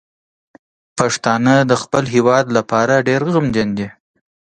پښتانه د خپل هیواد لپاره ډیر غمجن دي.